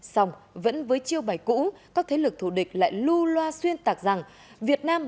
xong vẫn với chiêu bày cũ các thế lực thủ địch lại lưu loa xuyên tạc rằng việt nam